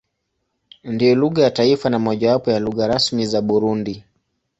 Ndiyo lugha ya taifa na mojawapo ya lugha rasmi za Burundi.